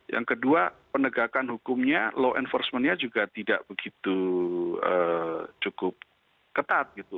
yang kedua penegakan hukumnya law enforcement nya juga tidak begitu cukup ketat gitu